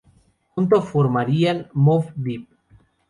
Junto formarían Mobb Deep.